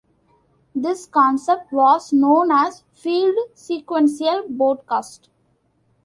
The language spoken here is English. This concept was known as "field-sequential" broadcast.